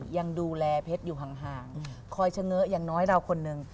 ยังดูแลเพชรอยู่ห่างคอยเฉง้ออย่างน้อยเราคนหนึ่ง